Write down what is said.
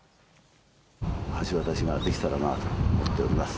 橋渡しができたらなと思っております。